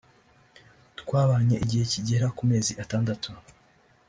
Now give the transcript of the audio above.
“ Twabanye igihe kigera ku mezi atandatu